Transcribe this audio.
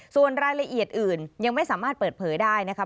ส่วนรายละเอียดอื่นยังไม่สามารถเปิดเผยได้นะครับ